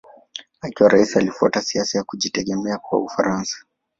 Akiwa rais alifuata siasa ya kujitegemea kwa Ufaransa.